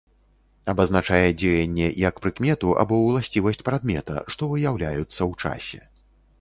Абазначае дзеянне як прыкмету або ўласцівасць прадмета, што выяўляюцца ў часе.